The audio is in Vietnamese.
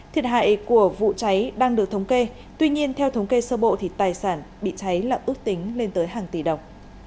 thiệt hại của vụ cháy đang được thống kê tuy nhiên theo thống kê sơ bộ thì tài sản bị cháy là ước tính lên tới hàng tỷ đồng